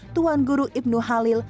tuan guru ibnu halil